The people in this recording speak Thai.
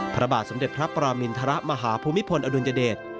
พระบาทสมเด็จพระปรามินทรมาหาภูมิพลอดุลยเดช